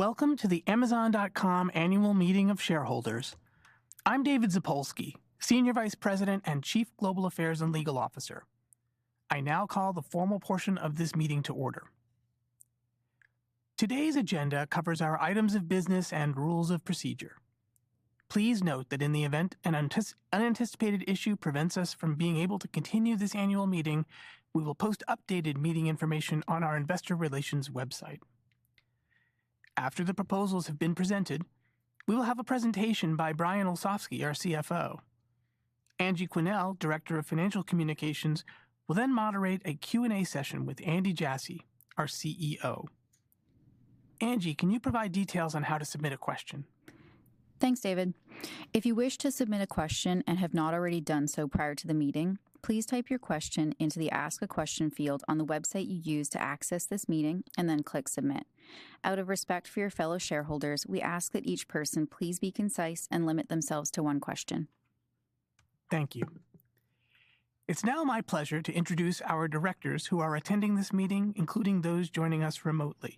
Welcome to the Amazon.com Annual Meeting of Shareholders. I'm David Zapolsky, Senior Vice President and Chief Global Affairs and Legal Officer. I now call the formal portion of this meeting to order. Today's agenda covers our items of business and rules of procedure. Please note that in the event an unanticipated issue prevents us from being able to continue this annual meeting, we will post updated meeting information on our Investor Relations website. After the proposals have been presented, we will have a presentation by Brian Olsavsky, our CFO. Angie Quinnell, Director of Financial Communications, will then moderate a Q&A session with Andy Jassy, our CEO. Angie, can you provide details on how to submit a question? Thanks, David. If you wish to submit a question and have not already done so prior to the meeting, please type your question into the Ask a Question field on the website you use to access this meeting and then click Submit. Out of respect for your fellow shareholders, we ask that each person please be concise and limit themselves to one question. Thank you. It's now my pleasure to introduce our directors who are attending this meeting, including those joining us remotely: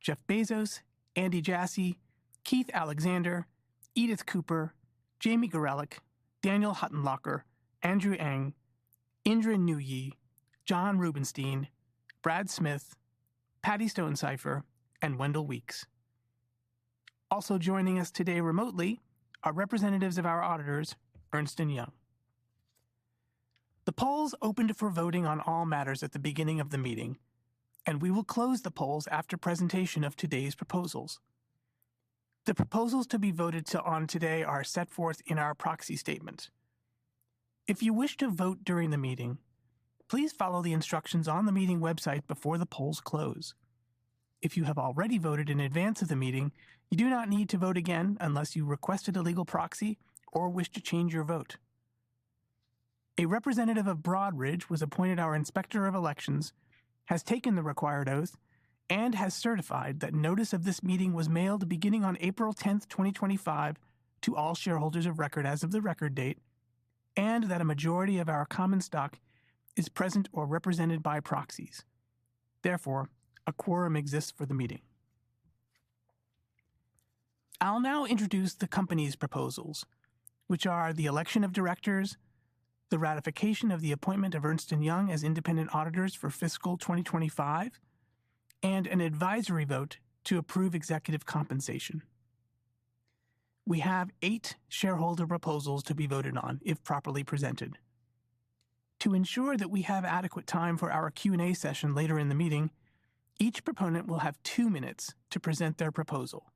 Jeff Bezos, Andy Jassy, Keith Alexander, Edith Cooper, Jamie Garelick, Daniel Huttenlocher, Andrew Ng, Indra Nooyi, John Rubenstein, Brad Smith, Patty Stonecipher, and Wendell Weeks. Also joining us today remotely are representatives of our auditors, Ernst & Young. The polls opened for voting on all matters at the beginning of the meeting, and we will close the polls after presentation of today's proposals. The proposals to be voted on today are set forth in our proxy statement. If you wish to vote during the meeting, please follow the instructions on the meeting website before the polls close. If you have already voted in advance of the meeting, you do not need to vote again unless you requested a legal proxy or wish to change your vote. A representative of Broadridge was appointed our Inspector of Elections, has taken the required oath, and has certified that notice of this meeting was mailed beginning on April 10, 2025, to all shareholders of record as of the record date, and that a majority of our common stock is present or represented by proxies. Therefore, a quorum exists for the meeting. I'll now introduce the company's proposals, which are the election of directors, the ratification of the appointment of Ernst & Young as independent auditors for fiscal 2025, and an advisory vote to approve executive compensation. We have eight shareholder proposals to be voted on if properly presented. To ensure that we have adequate time for our Q&A session later in the meeting, each proponent will have two minutes to present their proposal.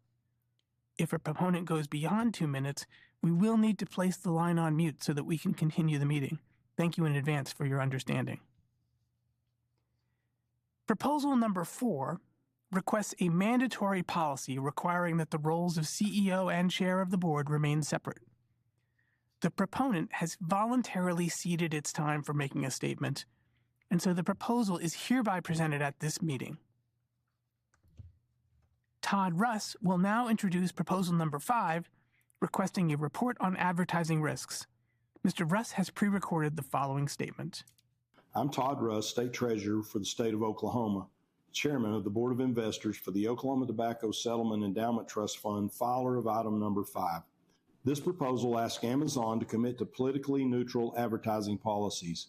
If a proponent goes beyond two minutes, we will need to place the line on mute so that we can continue the meeting. Thank you in advance for your understanding. Proposal number four requests a mandatory policy requiring that the roles of CEO and Chair of the Board remain separate. The proponent has voluntarily ceded its time for making a statement, and so the proposal is hereby presented at this meeting. Todd Russ will now introduce proposal number five, requesting a report on advertising risks. Mr. Russ has prerecorded the following statement. I'm Todd Russ, State Treasurer for the State of Oklahoma, Chairman of the Board of Investors for the Oklahoma Tobacco Settlement Endowment Trust Fund, follower of item number five. This proposal asks Amazon to commit to politically neutral advertising policies.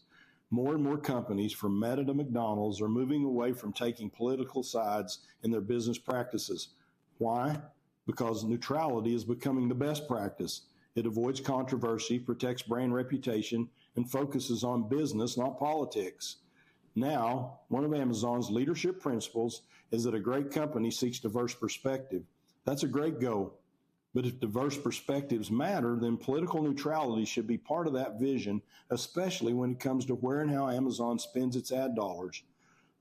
More and more companies from Meta to McDonald's are moving away from taking political sides in their business practices. Why? Because neutrality is becoming the best practice. It avoids controversy, protects brand reputation, and focuses on business, not politics. Now, one of Amazon's leadership principles is that a great company seeks diverse perspective. That's a great goal. If diverse perspectives matter, then political neutrality should be part of that vision, especially when it comes to where and how Amazon spends its ad dollars.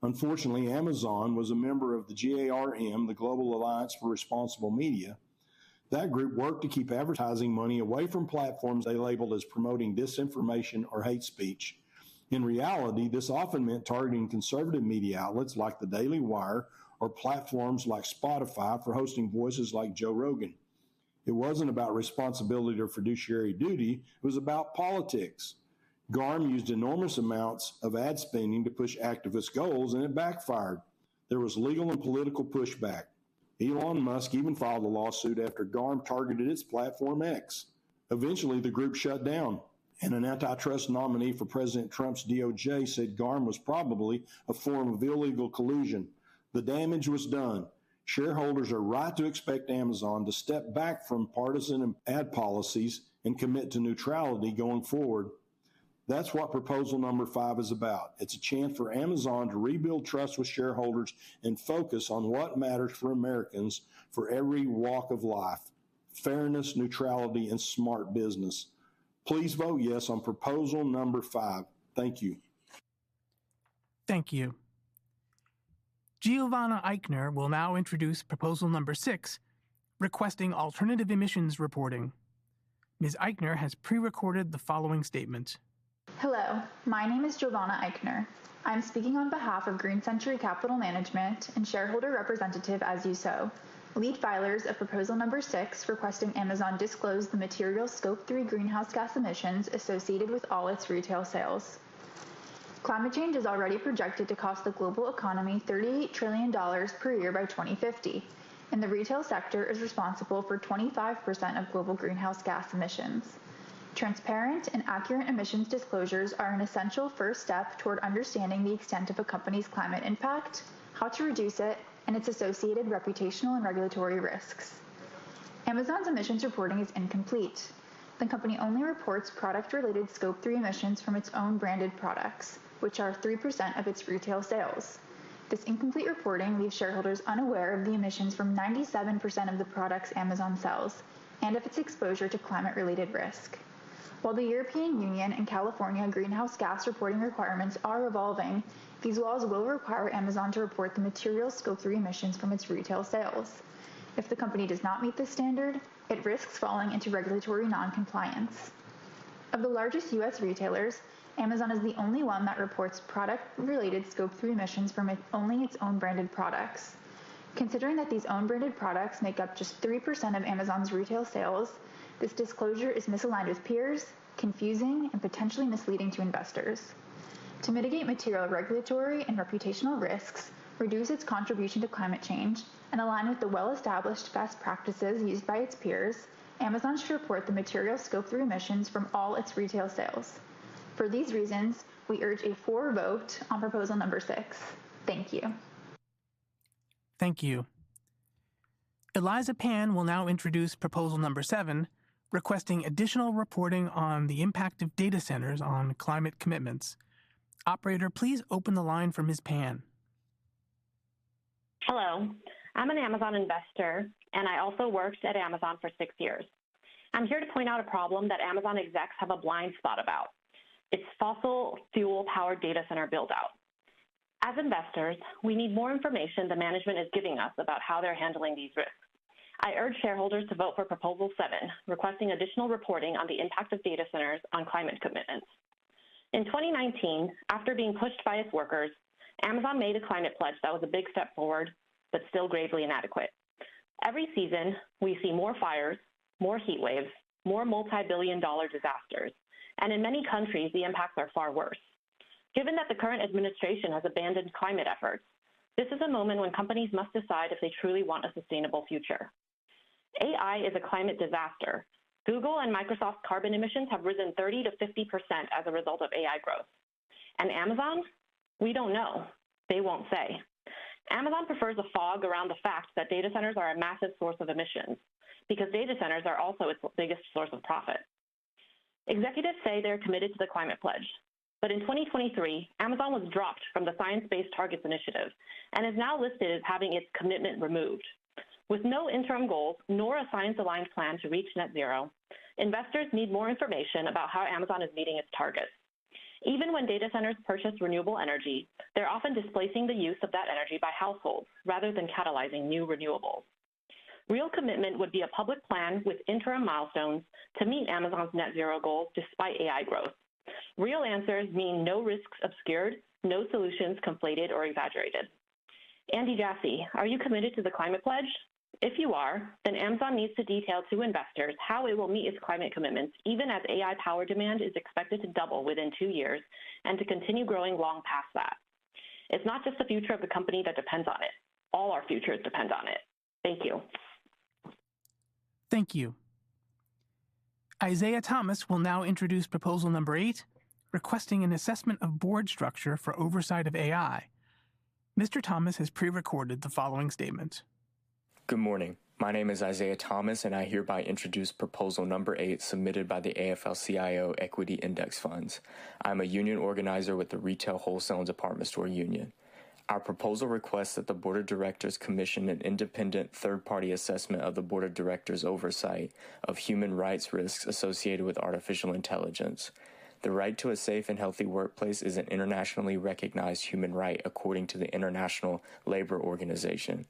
Unfortunately, Amazon was a member of the GARM, the Global Alliance for Responsible Media. That group worked to keep advertising money away from platforms they labeled as promoting disinformation or hate speech. In reality, this often meant targeting conservative media outlets like the Daily Wire or platforms like Spotify for hosting voices like Joe Rogan. It wasn't about responsibility or fiduciary duty; it was about politics. GARM used enormous amounts of ad spending to push activist goals, and it backfired. There was legal and political pushback. Elon Musk even filed a lawsuit after GARM targeted its platform, X. Eventually, the group shut down, and an antitrust nominee for President Trump's DOJ said GARM was probably a form of illegal collusion. The damage was done. Shareholders are right to expect Amazon to step back from partisan ad policies and commit to neutrality going forward. That's what proposal number five is about. It's a chance for Amazon to rebuild trust with shareholders and focus on what matters for Americans for every walk of life: fairness, neutrality, and smart business. Please vote yes on proposal number five. Thank you. Thank you. Giovanna Eichner will now introduce proposal number six, requesting alternative emissions reporting. Ms. Eichner has prerecorded the following statement. Hello. My name is Giovanna Eichner. I'm speaking on behalf of Green Century Capital Management and shareholder representative, as you saw. Lead filers of proposal number six requesting Amazon disclose the material Scope 3 greenhouse gas emissions associated with all its retail sales. Climate change is already projected to cost the global economy $38 trillion per year by 2050, and the retail sector is responsible for 25% of global greenhouse gas emissions. Transparent and accurate emissions disclosures are an essential first step toward understanding the extent of a company's climate impact, how to reduce it, and its associated reputational and regulatory risks. Amazon's emissions reporting is incomplete. The company only reports product-related Scope 3 emissions from its own branded products, which are 3% of its retail sales. This incomplete reporting leaves shareholders unaware of the emissions from 97% of the products Amazon sells and of its exposure to climate-related risk. While the European Union and California greenhouse gas reporting requirements are evolving, these laws will require Amazon to report the material Scope 3 emissions from its retail sales. If the company does not meet this standard, it risks falling into regulatory non-compliance. Of the largest U.S. retailers, Amazon is the only one that reports product-related Scope 3 emissions from only its own branded products. Considering that these own-branded products make up just 3% of Amazon's retail sales, this disclosure is misaligned with peers, confusing, and potentially misleading to investors. To mitigate material regulatory and reputational risks, reduce its contribution to climate change, and align with the well-established best practices used by its peers, Amazon should report the material Scope 3 emissions from all its retail sales. For these reasons, we urge a fore vote on proposal number six. Thank you. Thank you. Eliza Pan will now introduce proposal number seven, requesting additional reporting on the impact of data centers on climate commitments. Operator, please open the line for Ms. Pan. Hello. I'm an Amazon investor, and I also worked at Amazon for six years. I'm here to point out a problem that Amazon execs have a blind spot about: its fossil-fuel-powered data center buildout. As investors, we need more information than management is giving us about how they're handling these risks. I urge shareholders to vote for proposal seven, requesting additional reporting on the impact of data centers on climate commitments. In 2019, after being pushed by its workers, Amazon made a climate pledge that was a big step forward but still gravely inadequate. Every season, we see more fires, more heat waves, more multi-billion dollar disasters, and in many countries, the impacts are far worse. Given that the current administration has abandoned climate efforts, this is a moment when companies must decide if they truly want a sustainable future. AI is a climate disaster. Google and Microsoft's carbon emissions have risen 30%-50% as a result of AI growth. Amazon? We don't know. They won't say. Amazon prefers a fog around the fact that data centers are a massive source of emissions because data centers are also its biggest source of profit. Executives say they're committed to the climate pledge, but in 2023, Amazon was dropped from the Science-Based Targets Initiative and is now listed as having its commitment removed. With no interim goals nor a science-aligned plan to reach net zero, investors need more information about how Amazon is meeting its targets. Even when data centers purchase renewable energy, they're often displacing the use of that energy by households rather than catalyzing new renewables. Real commitment would be a public plan with interim milestones to meet Amazon's net zero goals despite AI growth. Real answers mean no risks obscured, no solutions conflated or exaggerated. Andy Jassy, are you committed to the climate pledge? If you are, then Amazon needs to detail to investors how it will meet its climate commitments even as AI-powered demand is expected to double within two years and to continue growing long past that. It's not just the future of the company that depends on it. All our futures depend on it. Thank you. Thank you. Isaiah Thomas will now introduce proposal number eight, requesting an assessment of board structure for oversight of AI. Mr. Thomas has prerecorded the following statement. Good morning. My name is Isaiah Thomas, and I hereby introduce proposal number eight submitted by the AFL-CIO Equity Index Funds. I'm a union organizer with the Retail Wholesale and Department Store Union. Our proposal requests that the Board of Directors commission an independent third-party assessment of the Board of Directors' oversight of human rights risks associated with artificial intelligence. The right to a safe and healthy workplace is an internationally recognized human right according to the International Labor Organization.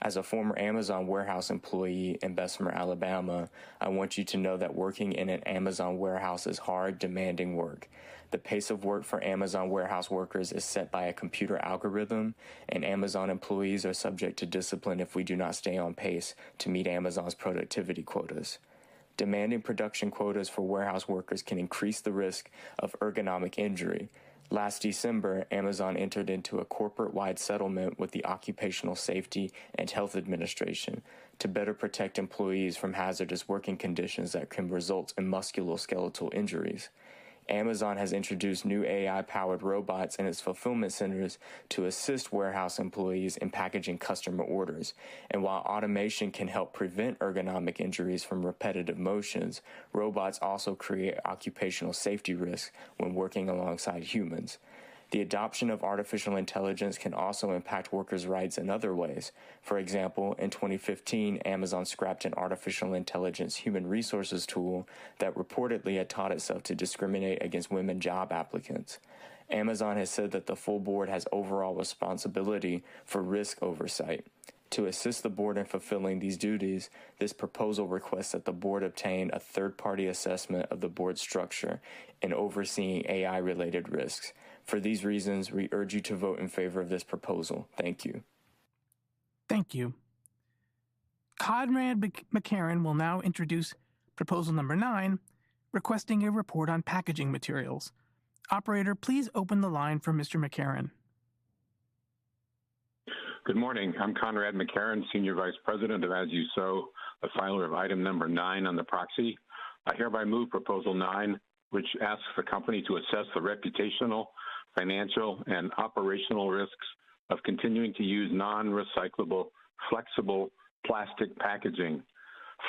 As a former Amazon warehouse employee in Bessemer, Alabama, I want you to know that working in an Amazon warehouse is hard, demanding work. The pace of work for Amazon warehouse workers is set by a computer algorithm, and Amazon employees are subject to discipline if we do not stay on pace to meet Amazon's productivity quotas. Demanding production quotas for warehouse workers can increase the risk of ergonomic injury. Last December, Amazon entered into a corporate-wide settlement with the Occupational Safety and Health Administration to better protect employees from hazardous working conditions that can result in musculoskeletal injuries. Amazon has introduced new AI-powered robots in its fulfillment centers to assist warehouse employees in packaging customer orders. While automation can help prevent ergonomic injuries from repetitive motions, robots also create occupational safety risks when working alongside humans. The adoption of artificial intelligence can also impact workers' rights in other ways. For example, in 2015, Amazon scrapped an artificial intelligence human resources tool that reportedly had taught itself to discriminate against women job applicants. Amazon has said that the full board has overall responsibility for risk oversight. To assist the board in fulfilling these duties, this proposal requests that the board obtain a third-party assessment of the board's structure in overseeing AI-related risks. For these reasons, we urge you to vote in favor of this proposal. Thank you. Thank you. Conrad McCarron will now introduce proposal number nine, requesting a report on packaging materials. Operator, please open the line for Mr. McCarron. Good morning. I'm Conrad McCarron, Senior Vice President of, as you saw, the filer of item number nine on the proxy. I hereby move proposal nine, which asks the company to assess the reputational, financial, and operational risks of continuing to use non-recyclable flexible plastic packaging.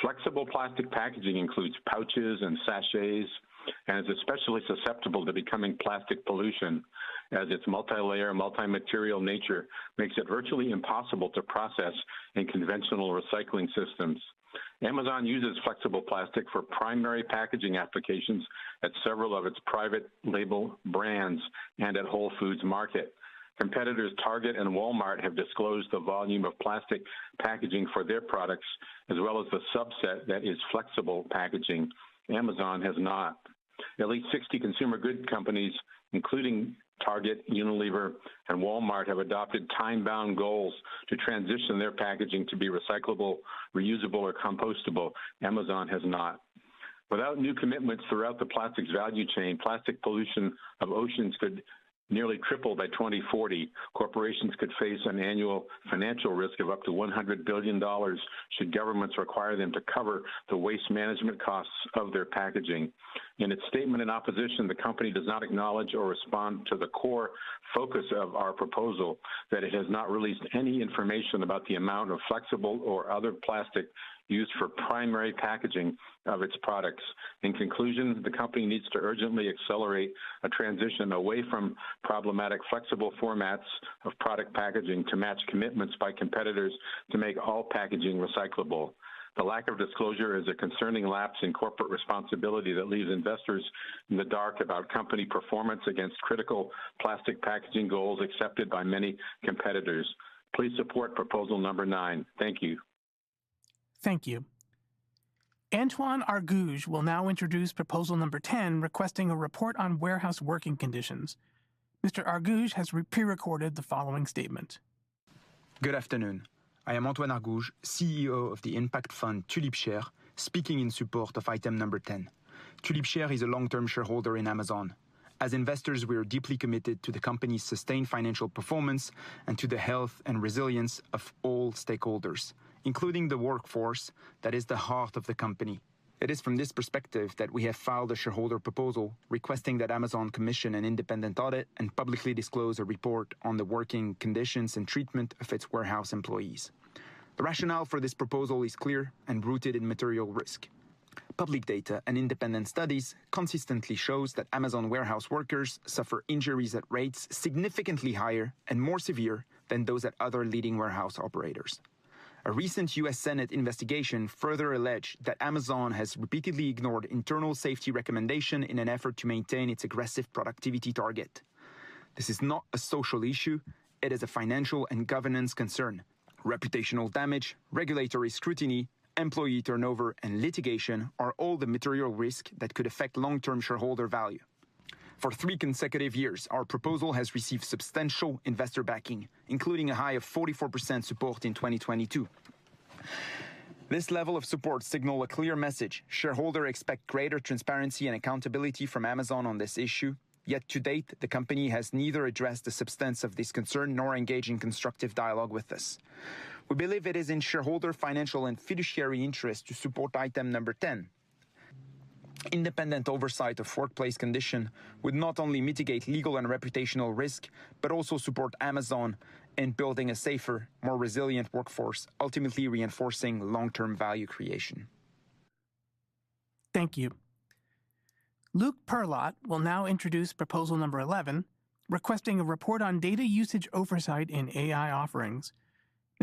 Flexible plastic packaging includes pouches and sachets and is especially susceptible to becoming plastic pollution, as its multi-layer, multi-material nature makes it virtually impossible to process in conventional recycling systems. Amazon uses flexible plastic for primary packaging applications at several of its private label brands and at Whole Foods Market. Competitors Target and Walmart have disclosed the volume of plastic packaging for their products, as well as the subset that is flexible packaging. Amazon has not. At least 60 consumer goods companies, including Target, Unilever, and Walmart, have adopted time-bound goals to transition their packaging to be recyclable, reusable, or compostable. Amazon has not. Without new commitments throughout the plastics value chain, plastic pollution of oceans could nearly triple by 2040. Corporations could face an annual financial risk of up to $100 billion should governments require them to cover the waste management costs of their packaging. In its statement in opposition, the company does not acknowledge or respond to the core focus of our proposal, that it has not released any information about the amount of flexible or other plastic used for primary packaging of its products. In conclusion, the company needs to urgently accelerate a transition away from problematic flexible formats of product packaging to match commitments by competitors to make all packaging recyclable. The lack of disclosure is a concerning lapse in corporate responsibility that leaves investors in the dark about company performance against critical plastic packaging goals accepted by many competitors. Please support proposal number nine. Thank you. Thank you. Antoine Argouge will now introduce proposal number ten, requesting a report on warehouse working conditions. Mr. Argouge has prerecorded the following statement. Good afternoon. I am Antoine Argouge, CEO of the impact fund Tulip Share, speaking in support of item number ten. Tulip Share is a long-term shareholder in Amazon. As investors, we are deeply committed to the company's sustained financial performance and to the health and resilience of all stakeholders, including the workforce that is the heart of the company. It is from this perspective that we have filed a shareholder proposal requesting that Amazon commission an independent audit and publicly disclose a report on the working conditions and treatment of its warehouse employees. The rationale for this proposal is clear and rooted in material risk. Public data and independent studies consistently show that Amazon warehouse workers suffer injuries at rates significantly higher and more severe than those at other leading warehouse operators. A recent U.S. Senate investigation further alleged that Amazon has repeatedly ignored internal safety recommendations in an effort to maintain its aggressive productivity target. This is not a social issue. It is a financial and governance concern. Reputational damage, regulatory scrutiny, employee turnover, and litigation are all the material risks that could affect long-term shareholder value. For three consecutive years, our proposal has received substantial investor backing, including a high of 44% support in 2022. This level of support signals a clear message. Shareholders expect greater transparency and accountability from Amazon on this issue, yet to date, the company has neither addressed the substance of this concern nor engaged in constructive dialogue with us. We believe it is in shareholders' financial and fiduciary interests to support item number ten. Independent oversight of workplace conditions would not only mitigate legal and reputational risks but also support Amazon in building a safer, more resilient workforce, ultimately reinforcing long-term value creation. Thank you. Luke Perlott will now introduce proposal number eleven, requesting a report on data usage oversight in AI offerings.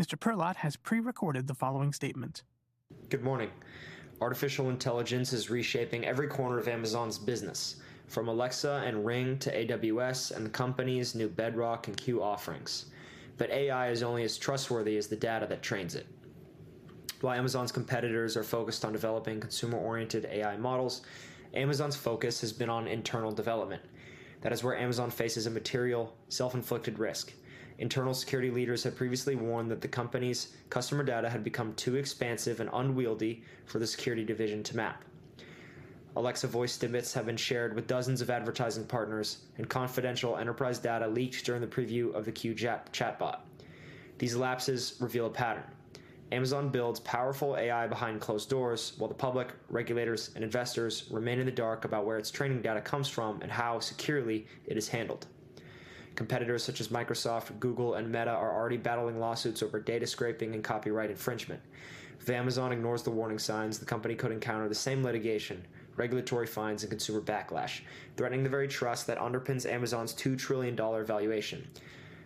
Mr. Perlott has prerecorded the following statement. Good morning. Artificial intelligence is reshaping every corner of Amazon's business, from Alexa and Ring to AWS and the company's new Bedrock and Q offerings. AI is only as trustworthy as the data that trains it. While Amazon's competitors are focused on developing consumer-oriented AI models, Amazon's focus has been on internal development. That is where Amazon faces a material self-inflicted risk. Internal security leaders have previously warned that the company's customer data had become too expansive and unwieldy for the security division to map. Alexa voice snippets have been shared with dozens of advertising partners, and confidential enterprise data leaked during the preview of the Q chatbot. These lapses reveal a pattern. Amazon builds powerful AI behind closed doors, while the public, regulators, and investors remain in the dark about where its training data comes from and how securely it is handled. Competitors such as Microsoft, Google, and Meta are already battling lawsuits over data scraping and copyright infringement. If Amazon ignores the warning signs, the company could encounter the same litigation, regulatory fines, and consumer backlash, threatening the very trust that underpins Amazon's $2 trillion valuation.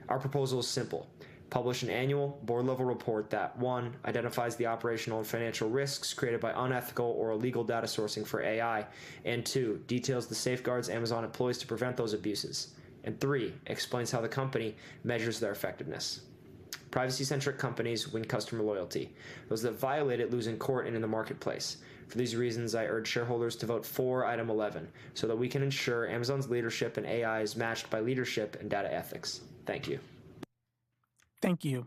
Our proposal is simple: publish an annual board-level report that, one, identifies the operational and financial risks created by unethical or illegal data sourcing for AI, and two, details the safeguards Amazon employs to prevent those abuses, and three, explains how the company measures their effectiveness. Privacy-centric companies win customer loyalty. Those that violate it lose in court and in the marketplace. For these reasons, I urge shareholders to vote for item eleven so that we can ensure Amazon's leadership in AI is matched by leadership in data ethics. Thank you. Thank you.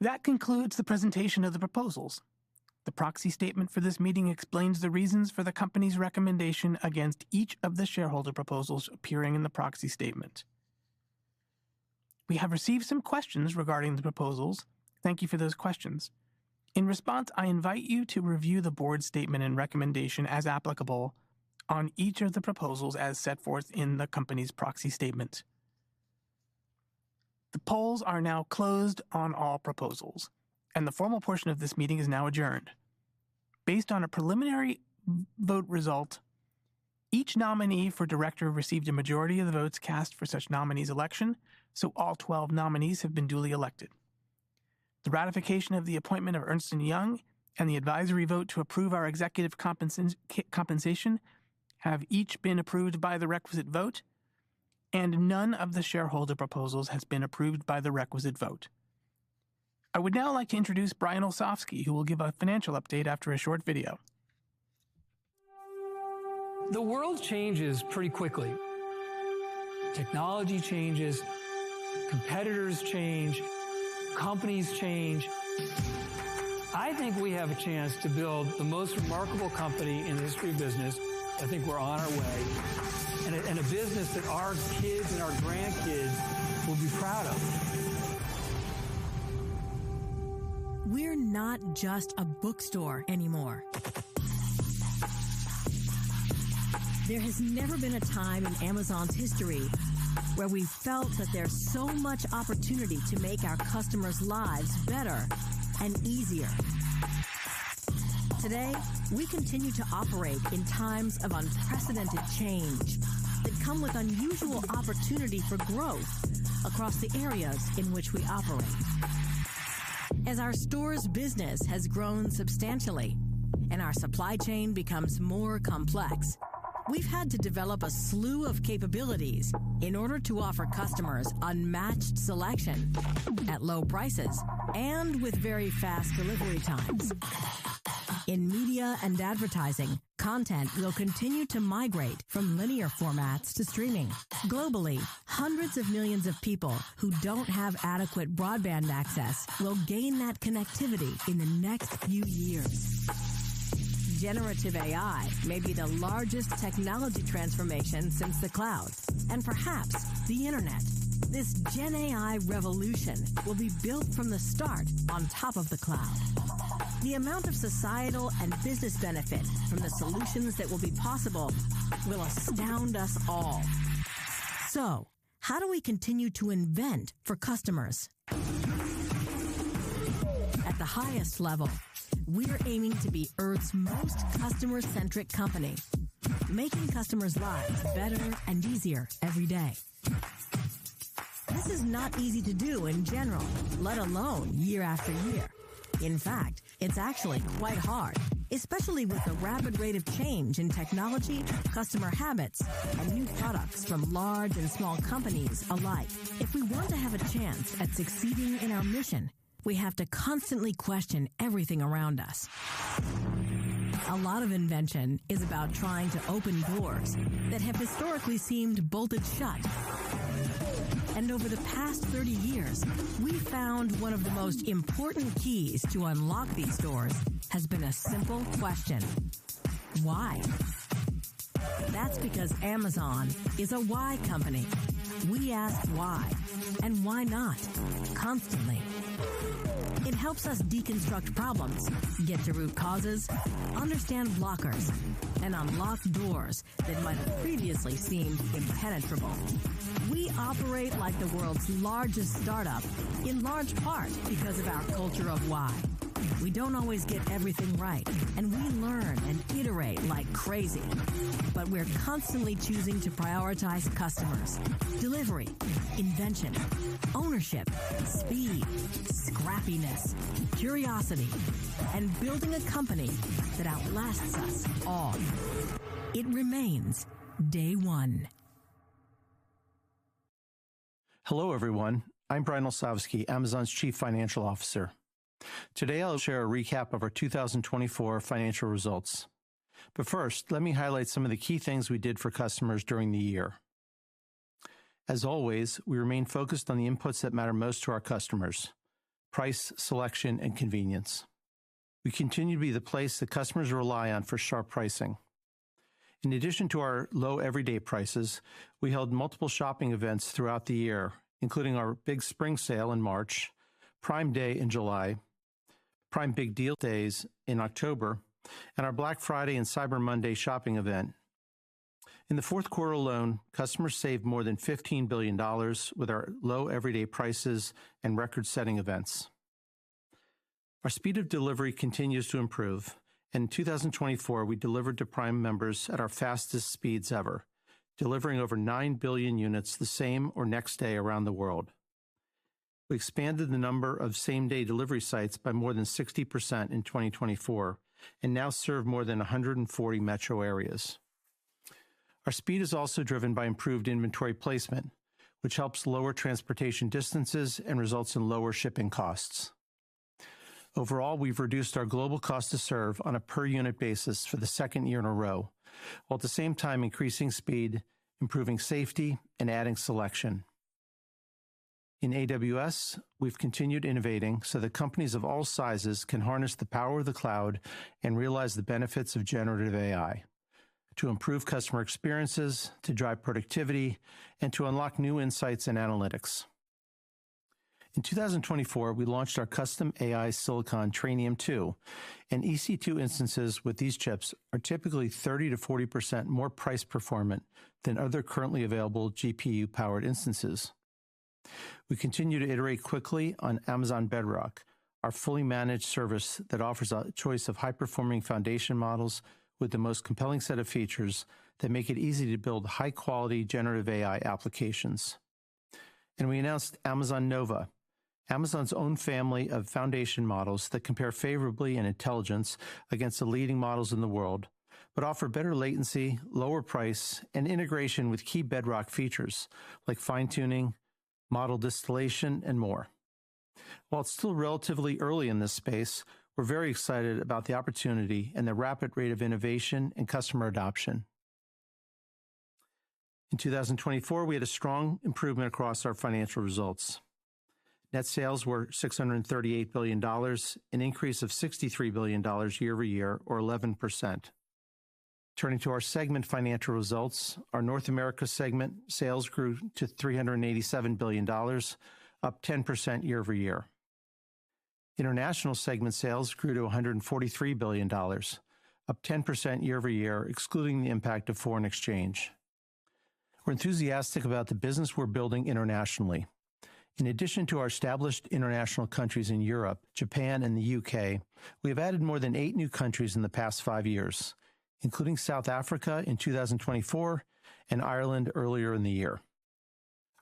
That concludes the presentation of the proposals. The proxy statement for this meeting explains the reasons for the company's recommendation against each of the shareholder proposals appearing in the proxy statement. We have received some questions regarding the proposals. Thank you for those questions. In response, I invite you to review the board statement and recommendation, as applicable, on each of the proposals as set forth in the company's proxy statement. The polls are now closed on all proposals, and the formal portion of this meeting is now adjourned. Based on a preliminary vote result, each nominee for director received a majority of the votes cast for such nominees' election, so all 12 nominees have been duly elected. The ratification of the appointment of Ernst & Young and the advisory vote to approve our executive compensation have each been approved by the requisite vote, and none of the shareholder proposals has been approved by the requisite vote. I would now like to introduce Brian Olsavsky, who will give a financial update after a short video. The world changes pretty quickly. Technology changes. Competitors change. Companies change. I think we have a chance to build the most remarkable company in the history of business. I think we're on our way, and a business that our kids and our grandkids will be proud of. We're not just a bookstore anymore. There has never been a time in Amazon's history where we felt that there's so much opportunity to make our customers' lives better and easier. Today, we continue to operate in times of unprecedented change that come with unusual opportunity for growth across the areas in which we operate. As our store's business has grown substantially and our supply chain becomes more complex, we've had to develop a slew of capabilities in order to offer customers unmatched selection at low prices and with very fast delivery times. In media and advertising, content will continue to migrate from linear formats to streaming. Globally, hundreds of millions of people who don't have adequate broadband access will gain that connectivity in the next few years. Generative AI may be the largest technology transformation since the cloud, and perhaps the internet. This Gen AI revolution will be built from the start on top of the cloud. The amount of societal and business benefit from the solutions that will be possible will astound us all. How do we continue to invent for customers? At the highest level, we're aiming to be Earth's most customer-centric company, making customers' lives better and easier every day. This is not easy to do in general, let alone year after year. In fact, it's actually quite hard, especially with the rapid rate of change in technology, customer habits, and new products from large and small companies alike. If we want to have a chance at succeeding in our mission, we have to constantly question everything around us. A lot of invention is about trying to open doors that have historically seemed bolted shut. Over the past 30 years, we've found one of the most important keys to unlock these doors has been a simple question: why? That's because Amazon is a why company. We ask why and why not constantly. It helps us deconstruct problems, get to root causes, understand blockers, and unlock doors that might have previously seemed impenetrable. We operate like the world's largest startup, in large part because of our culture of why. We don't always get everything right, and we learn and iterate like crazy. But we're constantly choosing to prioritize customers, delivery, invention, ownership, speed, scrappiness, curiosity, and building a company that outlasts us all. It remains day one. Hello, everyone. I'm Brian Olsavsky, Amazon's Chief Financial Officer. Today, I'll share a recap of our 2024 financial results. First, let me highlight some of the key things we did for customers during the year. As always, we remain focused on the inputs that matter most to our customers: price, selection, and convenience. We continue to be the place that customers rely on for sharp pricing. In addition to our low everyday prices, we held multiple shopping events throughout the year, including our Big Spring Sale in March, Prime Day in July, Prime Big Deal Days in October, and our Black Friday and Cyber Monday shopping event. In the fourth quarter alone, customers saved more than $15 billion with our low everyday prices and record-setting events. Our speed of delivery continues to improve, and in 2024, we delivered to Prime members at our fastest speeds ever, delivering over 9 billion units the same or next day around the world. We expanded the number of same-day delivery sites by more than 60% in 2024 and now serve more than 140 metro areas. Our speed is also driven by improved inventory placement, which helps lower transportation distances and results in lower shipping costs. Overall, we've reduced our global cost to serve on a per-unit basis for the second year in a row, while at the same time increasing speed, improving safety, and adding selection. In AWS, we've continued innovating so that companies of all sizes can harness the power of the cloud and realize the benefits of generative AI to improve customer experiences, to drive productivity, and to unlock new insights and analytics. In 2024, we launched our custom AI silicon Trainium 2, and EC2 instances with these chips are typically 30-40% more price-performant than other currently available GPU-powered instances. We continue to iterate quickly on Amazon Bedrock, our fully managed service that offers a choice of high-performing foundation models with the most compelling set of features that make it easy to build high-quality generative AI applications. We announced Amazon Nova, Amazon's own family of foundation models that compare favorably in intelligence against the leading models in the world but offer better latency, lower price, and integration with key Bedrock features like fine-tuning, model distillation, and more. While it's still relatively early in this space, we're very excited about the opportunity and the rapid rate of innovation and customer adoption. In 2024, we had a strong improvement across our financial results. Net sales were $638 billion, an increase of $63 billion year-over-year, or 11%. Turning to our segment financial results, our North America segment sales grew to $387 billion, up 10% year-over-year. International segment sales grew to $143 billion, up 10% year-over-year, excluding the impact of foreign exchange. We are enthusiastic about the business we are building internationally. In addition to our established international countries in Europe, Japan, and the U.K., we have added more than eight new countries in the past five years, including South Africa in 2024 and Ireland earlier in the year.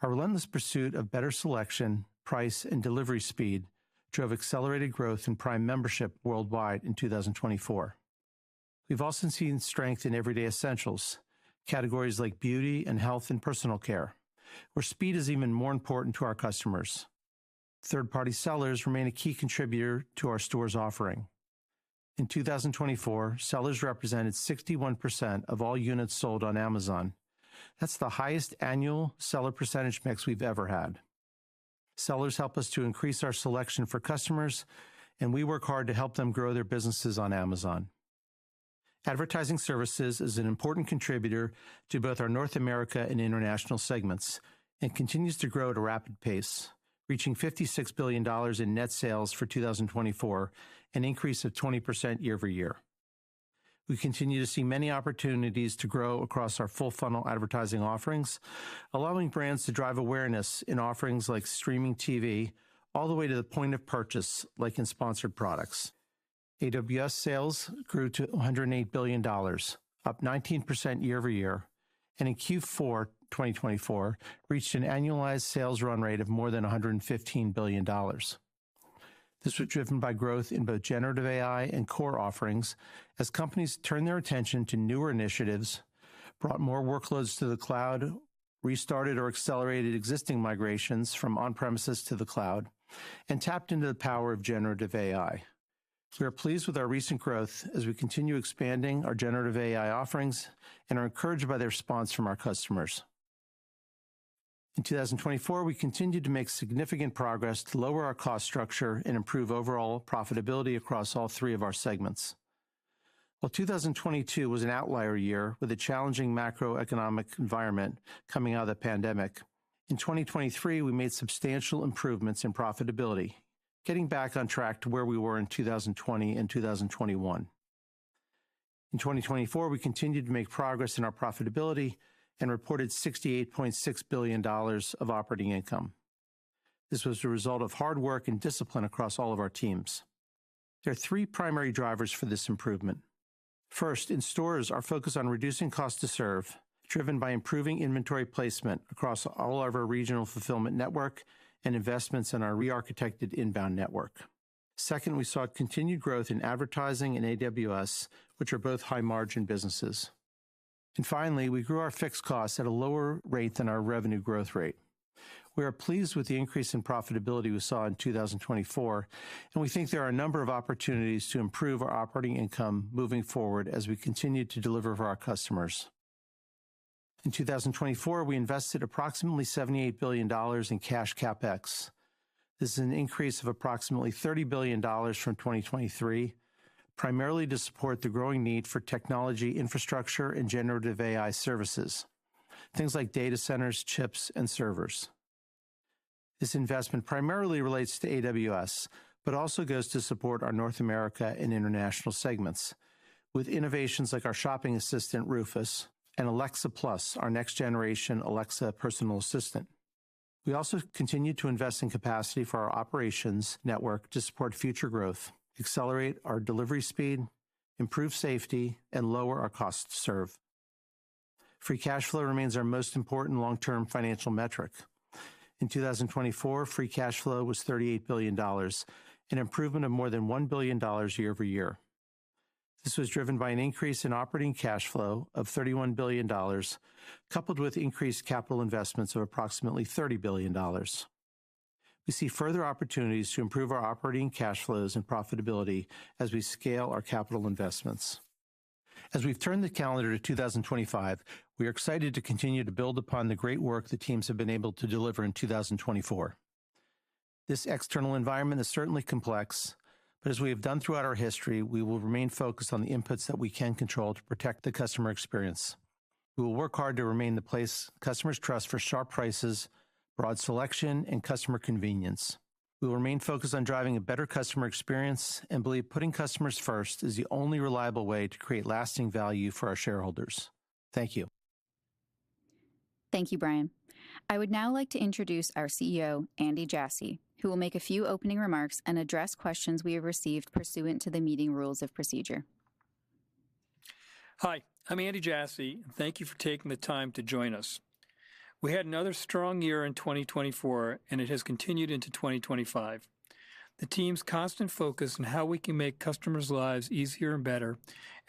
Our relentless pursuit of better selection, price, and delivery speed drove accelerated growth in Prime membership worldwide in 2024. We have also seen strength in everyday essentials, categories like beauty and health and personal care, where speed is even more important to our customers. Third-party sellers remain a key contributor to our store's offering. In 2024, sellers represented 61% of all units sold on Amazon. That's the highest annual seller percentage mix we've ever had. Sellers help us to increase our selection for customers, and we work hard to help them grow their businesses on Amazon. Advertising services is an important contributor to both our North America and international segments and continues to grow at a rapid pace, reaching $56 billion in net sales for 2024, an increase of 20% year-over-year. We continue to see many opportunities to grow across our full-funnel advertising offerings, allowing brands to drive awareness in offerings like streaming TV all the way to the point of purchase, like in sponsored products. AWS sales grew to $108 billion, up 19% year-over-year, and in Q4 2024, reached an annualized sales run rate of more than $115 billion. This was driven by growth in both generative AI and core offerings as companies turned their attention to newer initiatives, brought more workloads to the cloud, restarted or accelerated existing migrations from on-premises to the cloud, and tapped into the power of generative AI. We are pleased with our recent growth as we continue expanding our generative AI offerings and are encouraged by the response from our customers. In 2024, we continued to make significant progress to lower our cost structure and improve overall profitability across all three of our segments. While 2022 was an outlier year with a challenging macroeconomic environment coming out of the pandemic, in 2023, we made substantial improvements in profitability, getting back on track to where we were in 2020 and 2021. In 2024, we continued to make progress in our profitability and reported $68.6 billion of operating income. This was the result of hard work and discipline across all of our teams. There are three primary drivers for this improvement. First, in stores, our focus on reducing cost to serve, driven by improving inventory placement across all of our regional fulfillment network and investments in our re-architected inbound network. Second, we saw continued growth in advertising and AWS, which are both high-margin businesses. Finally, we grew our fixed costs at a lower rate than our revenue growth rate. We are pleased with the increase in profitability we saw in 2024, and we think there are a number of opportunities to improve our operating income moving forward as we continue to deliver for our customers. In 2024, we invested approximately $78 billion in cash CapEx. This is an increase of approximately $30 billion from 2023, primarily to support the growing need for technology infrastructure and generative AI services, things like data centers, chips, and servers. This investment primarily relates to AWS, but also goes to support our North America and international segments, with innovations like our shopping assistant, Rufus, and Alexa Plus, our next-generation Alexa personal assistant. We also continue to invest in capacity for our operations network to support future growth, accelerate our delivery speed, improve safety, and lower our cost to serve. Free cash flow remains our most important long-term financial metric. In 2024, free cash flow was $38 billion, an improvement of more than $1 billion year-over-year. This was driven by an increase in operating cash flow of $31 billion, coupled with increased capital investments of approximately $30 billion. We see further opportunities to improve our operating cash flows and profitability as we scale our capital investments. As we've turned the calendar to 2025, we are excited to continue to build upon the great work the teams have been able to deliver in 2024. This external environment is certainly complex, but as we have done throughout our history, we will remain focused on the inputs that we can control to protect the customer experience. We will work hard to remain the place customers trust for sharp prices, broad selection, and customer convenience. We will remain focused on driving a better customer experience and believe putting customers first is the only reliable way to create lasting value for our shareholders. Thank you. Thank you, Brian. I would now like to introduce our CEO, Andy Jassy, who will make a few opening remarks and address questions we have received pursuant to the meeting rules of procedure. Hi, I'm Andy Jassy, and thank you for taking the time to join us. We had another strong year in 2024, and it has continued into 2025. The team's constant focus on how we can make customers' lives easier and better,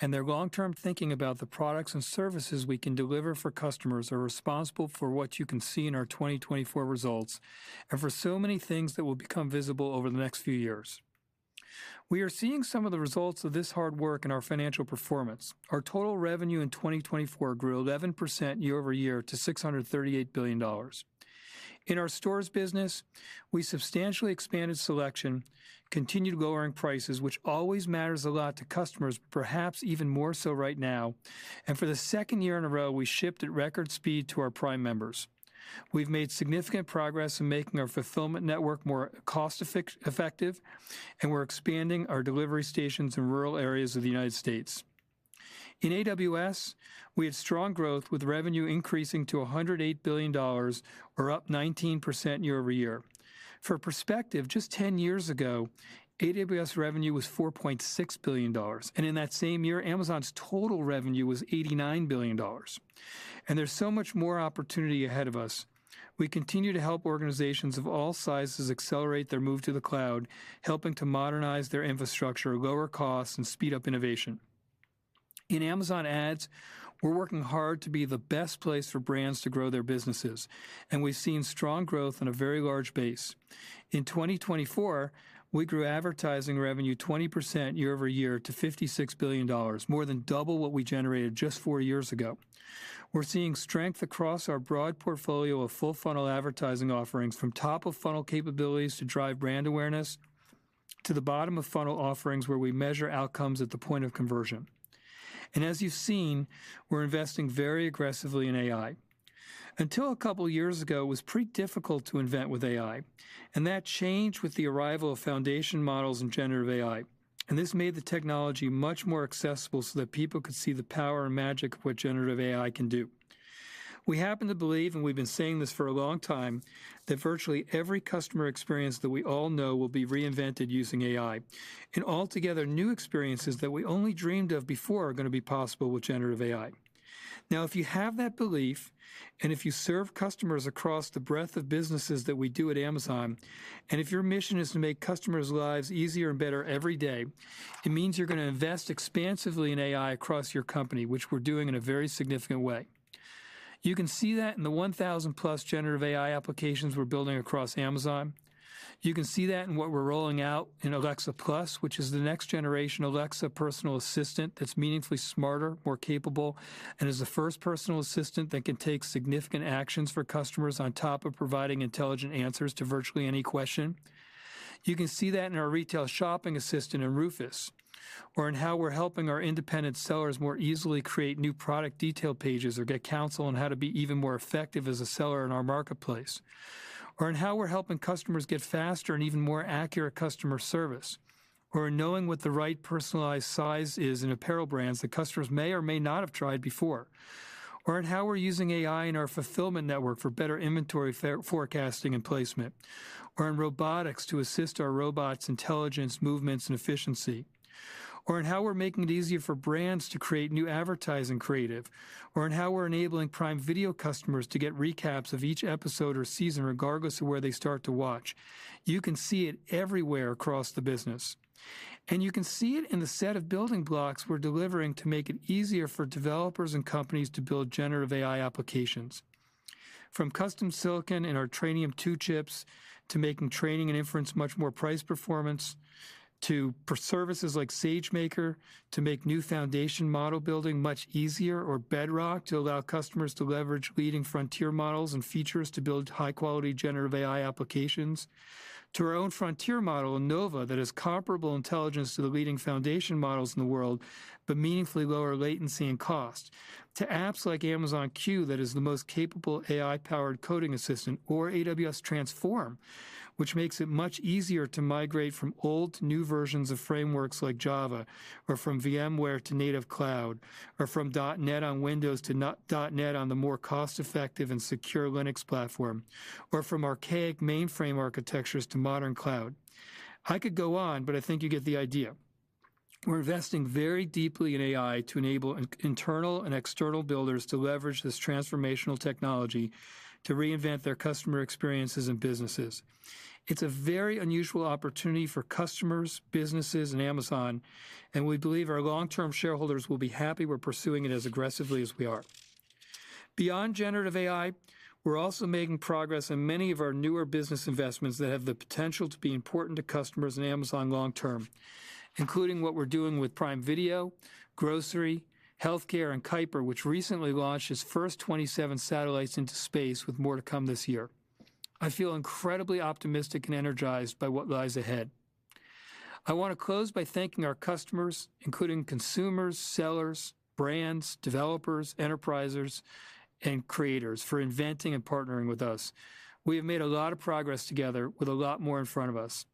and their long-term thinking about the products and services we can deliver for customers are responsible for what you can see in our 2024 results and for so many things that will become visible over the next few years. We are seeing some of the results of this hard work in our financial performance. Our total revenue in 2024 grew 11% year-over-year to $638 billion. In our stores business, we substantially expanded selection, continued lowering prices, which always matters a lot to customers, perhaps even more so right now, and for the second year in a row, we shipped at record speed to our Prime members. We've made significant progress in making our fulfillment network more cost-effective, and we're expanding our delivery stations in rural areas of the United States. In AWS, we had strong growth with revenue increasing to $108 billion, or up 19% year-over-year. For perspective, just 10 years ago, AWS revenue was $4.6 billion, and in that same year, Amazon's total revenue was $89 billion. There is so much more opportunity ahead of us. We continue to help organizations of all sizes accelerate their move to the cloud, helping to modernize their infrastructure, lower costs, and speed up innovation. In Amazon Ads, we're working hard to be the best place for brands to grow their businesses, and we've seen strong growth on a very large base. In 2024, we grew advertising revenue 20% year-over-year to $56 billion, more than double what we generated just four years ago. We're seeing strength across our broad portfolio of full-funnel advertising offerings, from top-of-funnel capabilities to drive brand awareness, to the bottom-of-funnel offerings where we measure outcomes at the point of conversion. As you've seen, we're investing very aggressively in AI. Until a couple of years ago, it was pretty difficult to invent with AI, and that changed with the arrival of foundation models and generative AI. This made the technology much more accessible so that people could see the power and magic of what generative AI can do. We happen to believe, and we've been saying this for a long time, that virtually every customer experience that we all know will be reinvented using AI. Altogether, new experiences that we only dreamed of before are going to be possible with generative AI. Now, if you have that belief, and if you serve customers across the breadth of businesses that we do at Amazon, and if your mission is to make customers' lives easier and better every day, it means you're going to invest expansively in AI across your company, which we're doing in a very significant way. You can see that in the 1,000+ generative AI applications we're building across Amazon. You can see that in what we're rolling out in Alexa Plus, which is the next-generation Alexa personal assistant that's meaningfully smarter, more capable, and is the first personal assistant that can take significant actions for customers on top of providing intelligent answers to virtually any question. You can see that in our retail shopping assistant in Rufus, or in how we're helping our independent sellers more easily create new product detail pages or get counsel on how to be even more effective as a seller in our marketplace, or in how we're helping customers get faster and even more accurate customer service, or in knowing what the right personalized size is in apparel brands that customers may or may not have tried before, or in how we're using AI in our fulfillment network for better inventory forecasting and placement, or in robotics to assist our robots, intelligence, movements, and efficiency, or in how we're making it easier for brands to create new advertising creative, or in how we're enabling Prime Video customers to get recaps of each episode or season, regardless of where they start to watch. You can see it everywhere across the business. You can see it in the set of building blocks we are delivering to make it easier for developers and companies to build generative AI applications. From custom silicon in our Trainium 2 chips to making training and inference much more price-performance, to services like SageMaker to make new foundation model building much easier or Bedrock to allow customers to leverage leading frontier models and features to build high-quality generative AI applications, to our own frontier model, Nova, that has comparable intelligence to the leading foundation models in the world, but meaningfully lower latency and cost, to apps like Amazon Q that is the most capable AI-powered coding assistant, or AWS Transform, which makes it much easier to migrate from old, new versions of frameworks like Java, or from VMware to native cloud, or from .NET on Windows to .NET on the more cost-effective and secure Linux platform, or from archaic mainframe architectures to modern cloud. I could go on, but I think you get the idea. We're investing very deeply in AI to enable internal and external builders to leverage this transformational technology to reinvent their customer experiences and businesses. It's a very unusual opportunity for customers, businesses, and Amazon, and we believe our long-term shareholders will be happy we're pursuing it as aggressively as we are. Beyond generative AI, we're also making progress in many of our newer business investments that have the potential to be important to customers and Amazon long-term, including what we're doing with Prime Video, Grocery, Healthcare, and Kuiper, which recently launched its first 27 satellites into space with more to come this year. I feel incredibly optimistic and energized by what lies ahead. I want to close by thanking our customers, including consumers, sellers, brands, developers, enterprises, and creators for inventing and partnering with us. We have made a lot of progress together with a lot more in front of us.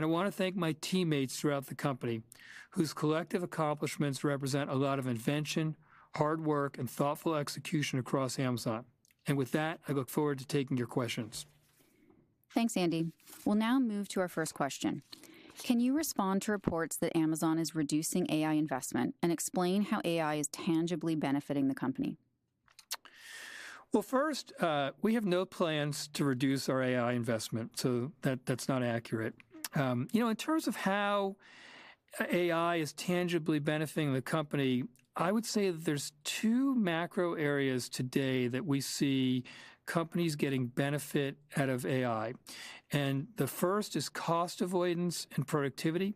I want to thank my teammates throughout the company, whose collective accomplishments represent a lot of invention, hard work, and thoughtful execution across Amazon. I look forward to taking your questions. Thanks, Andy. We'll now move to our first question. Can you respond to reports that Amazon is reducing AI investment and explain how AI is tangibly benefiting the company? First, we have no plans to reduce our AI investment, so that's not accurate. In terms of how AI is tangibly benefiting the company, I would say that there are two macro areas today that we see companies getting benefit out of AI. The first is cost avoidance and productivity,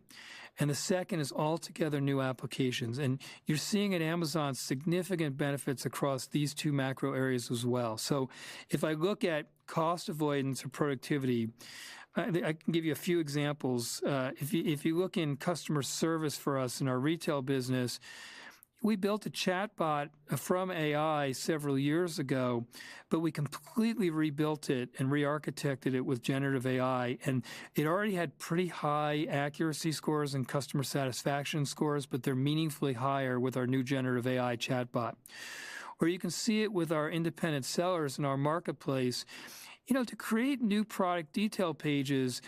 and the second is altogether new applications. You are seeing at Amazon significant benefits across these two macro areas as well. If I look at cost avoidance or productivity, I can give you a few examples. If you look in customer service for us in our retail business, we built a chatbot from AI several years ago, but we completely rebuilt it and re-architected it with generative AI. It already had pretty high accuracy scores and customer satisfaction scores, but they are meaningfully higher with our new generative AI chatbot. You can see it with our independent sellers in our marketplace. To create new product detail pages,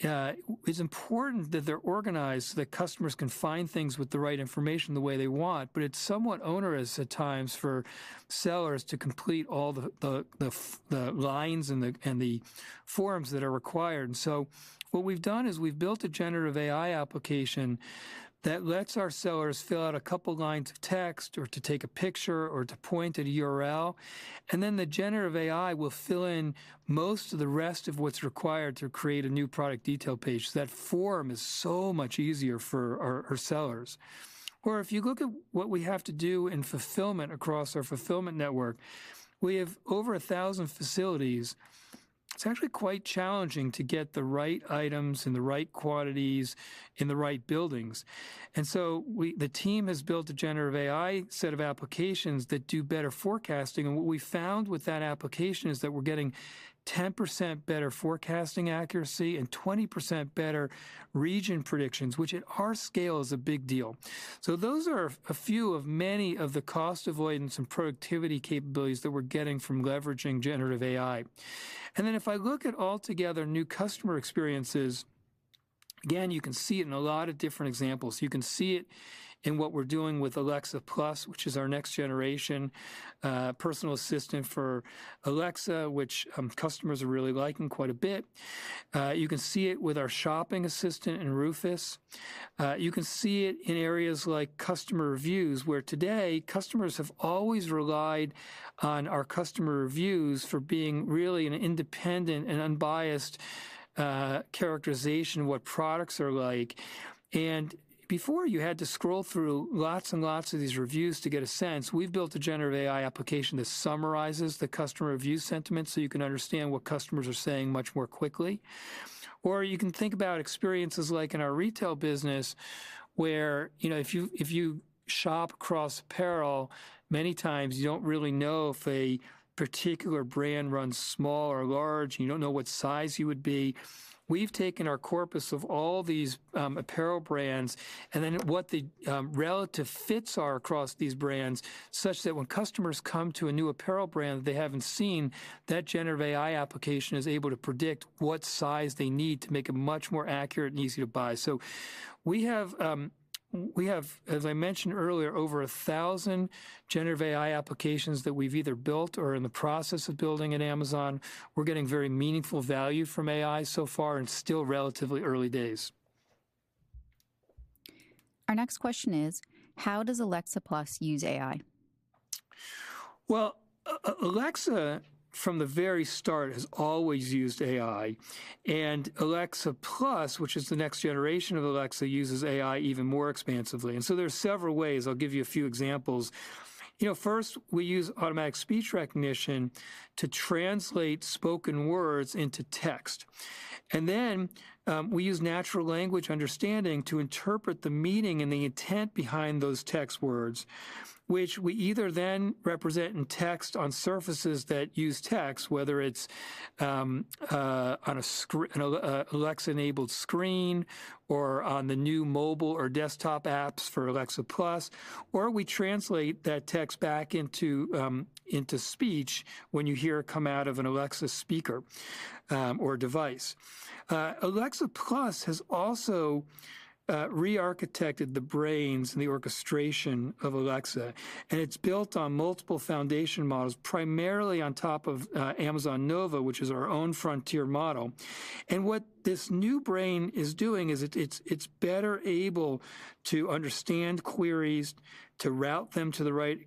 it's important that they're organized so that customers can find things with the right information the way they want, but it's somewhat onerous at times for sellers to complete all the lines and the forms that are required. What we've done is we've built a generative AI application that lets our sellers fill out a couple of lines of text or take a picture or point at a URL, and then the generative AI will fill in most of the rest of what's required to create a new product detail page. That form is so much easier for our sellers. If you look at what we have to do in fulfillment across our fulfillment network, we have over 1,000 facilities. It's actually quite challenging to get the right items in the right quantities in the right buildings. The team has built a generative AI set of applications that do better forecasting. What we found with that application is that we're getting 10% better forecasting accuracy and 20% better region predictions, which at our scale is a big deal. Those are a few of many of the cost avoidance and productivity capabilities that we're getting from leveraging generative AI. If I look at altogether new customer experiences, again, you can see it in a lot of different examples. You can see it in what we're doing with Alexa Plus, which is our next-generation personal assistant for Alexa, which customers are really liking quite a bit. You can see it with our shopping assistant in Rufus. You can see it in areas like customer reviews, where today customers have always relied on our customer reviews for being really an independent and unbiased characterization of what products are like. Before, you had to scroll through lots and lots of these reviews to get a sense. We've built a generative AI application that summarizes the customer review sentiment so you can understand what customers are saying much more quickly. You can think about experiences like in our retail business, where if you shop across apparel, many times you don't really know if a particular brand runs small or large, and you don't know what size you would be. We've taken our corpus of all these apparel brands and then what the relative fits are across these brands, such that when customers come to a new apparel brand that they haven't seen, that generative AI application is able to predict what size they need to make it much more accurate and easy to buy. We have, as I mentioned earlier, over 1,000 generative AI applications that we've either built or are in the process of building at Amazon. We're getting very meaningful value from AI so far and still relatively early days. Our next question is, how does Alexa Plus use AI? Alexa, from the very start, has always used AI. Alexa Plus, which is the next generation of Alexa, uses AI even more expansively. There are several ways. I'll give you a few examples. First, we use automatic speech recognition to translate spoken words into text. We use natural language understanding to interpret the meaning and the intent behind those text words, which we either then represent in text on surfaces that use text, whether it's on an Alexa-enabled screen or on the new mobile or desktop apps for Alexa Plus, or we translate that text back into speech when you hear it come out of an Alexa speaker or device. Alexa Plus has also re-architected the brains and the orchestration of Alexa. It's built on multiple foundation models, primarily on top of Amazon Nova, which is our own frontier model. What this new brain is doing is it's better able to understand queries, to route them to the right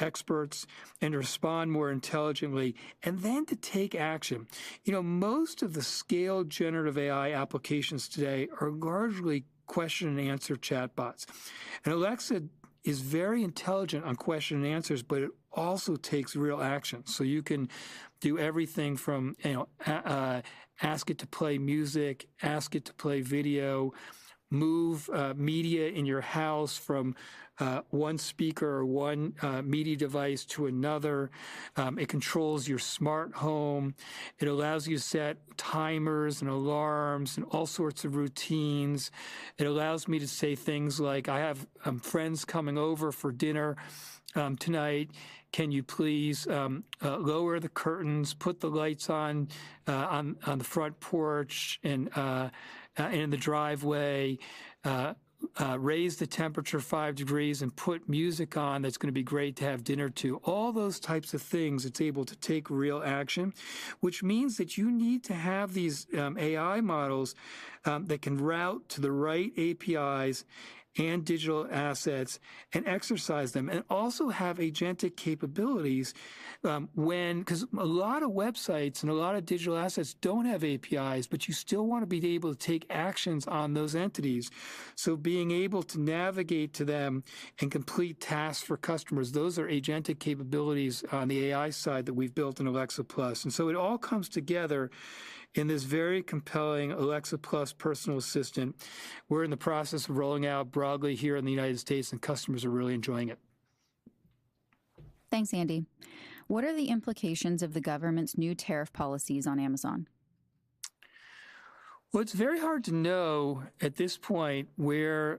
experts, and respond more intelligently, and then to take action. Most of the scaled generative AI applications today are largely question-and-answer chatbots. Alexa is very intelligent on question-and-answers, but it also takes real action. You can do everything from ask it to play music, ask it to play video, move media in your house from one speaker or one media device to another. It controls your smart home. It allows you to set timers and alarms and all sorts of routines. It allows me to say things like, "I have friends coming over for dinner tonight. Can you please lower the curtains, put the lights on the front porch and in the driveway, raise the temperature five degrees, and put music on that's going to be great to have dinner to? All those types of things, it's able to take real action, which means that you need to have these AI models that can route to the right APIs and digital assets and exercise them and also have agentic capabilities because a lot of websites and a lot of digital assets don't have APIs, but you still want to be able to take actions on those entities. Being able to navigate to them and complete tasks for customers, those are agentic capabilities on the AI side that we've built in Alexa Plus. It all comes together in this very compelling Alexa Plus personal assistant. We're in the process of rolling out broadly here in the U.S., and customers are really enjoying it. Thanks, Andy. What are the implications of the government's new tariff policies on Amazon? It is very hard to know at this point where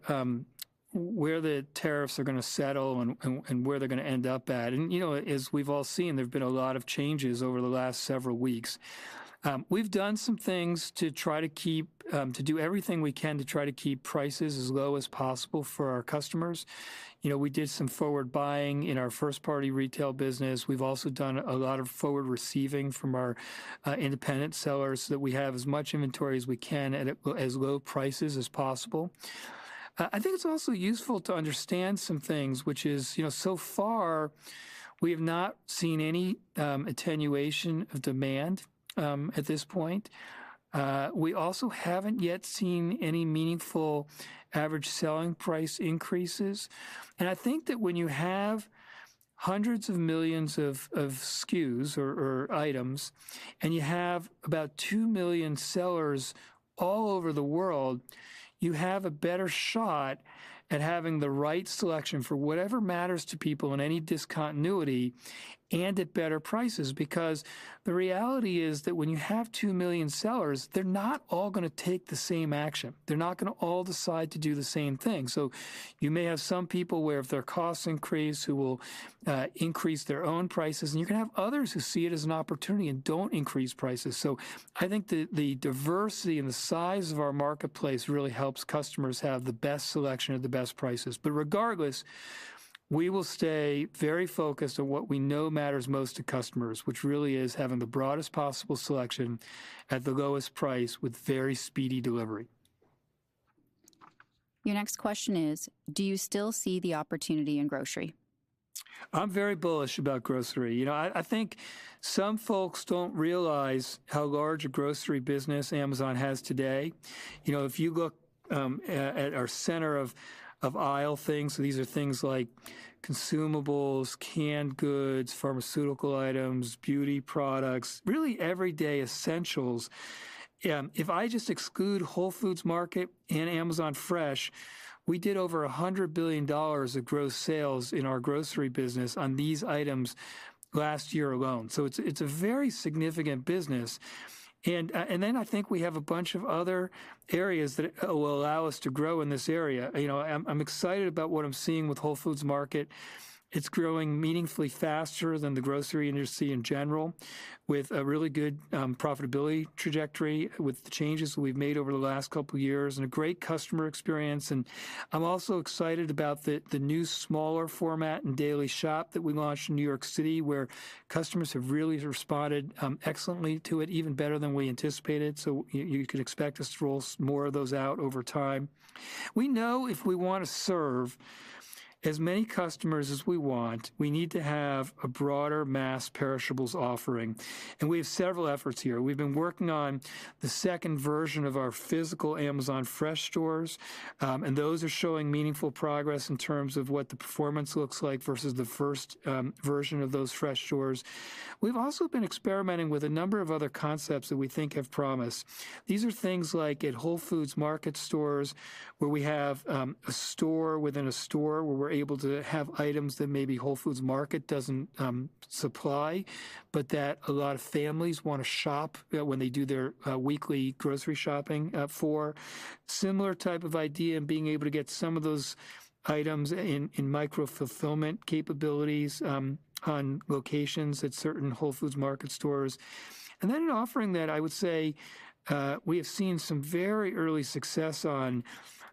the tariffs are going to settle and where they are going to end up at. As we have all seen, there have been a lot of changes over the last several weeks. We have done some things to try to keep to do everything we can to try to keep prices as low as possible for our customers. We did some forward buying in our first-party retail business. We have also done a lot of forward receiving from our independent sellers so that we have as much inventory as we can at as low prices as possible. I think it is also useful to understand some things, which is so far, we have not seen any attenuation of demand at this point. We also have not yet seen any meaningful average selling price increases. I think that when you have hundreds of millions of SKUs or items and you have about 2 million sellers all over the world, you have a better shot at having the right selection for whatever matters to people in any discontinuity and at better prices. The reality is that when you have 2 million sellers, they're not all going to take the same action. They're not going to all decide to do the same thing. You may have some people where if their costs increase, who will increase their own prices. You can have others who see it as an opportunity and don't increase prices. I think the diversity and the size of our marketplace really helps customers have the best selection at the best prices. Regardless, we will stay very focused on what we know matters most to customers, which really is having the broadest possible selection at the lowest price with very speedy delivery. Your next question is, do you still see the opportunity in grocery? I'm very bullish about grocery. I think some folks don't realize how large a grocery business Amazon has today. If you look at our center of aisle things, these are things like consumables, canned goods, pharmaceutical items, beauty products, really everyday essentials. If I just exclude Whole Foods Market and Amazon Fresh, we did over $100 billion of gross sales in our grocery business on these items last year alone. It is a very significant business. I think we have a bunch of other areas that will allow us to grow in this area. I'm excited about what I'm seeing with Whole Foods Market. It is growing meaningfully faster than the grocery industry in general, with a really good profitability trajectory with the changes we've made over the last couple of years and a great customer experience. I'm also excited about the new smaller format and daily shop that we launched in New York City, where customers have really responded excellently to it, even better than we anticipated. You can expect us to roll more of those out over time. We know if we want to serve as many customers as we want, we need to have a broader mass perishables offering. We have several efforts here. We've been working on the second version of our physical Amazon Fresh stores, and those are showing meaningful progress in terms of what the performance looks like versus the first version of those Fresh stores. We've also been experimenting with a number of other concepts that we think have promise. These are things like at Whole Foods Market stores, where we have a store within a store where we're able to have items that maybe Whole Foods Market doesn't supply, but that a lot of families want to shop when they do their weekly grocery shopping for. Similar type of idea of being able to get some of those items in micro-fulfillment capabilities on locations at certain Whole Foods Market stores. An offering that I would say we have seen some very early success on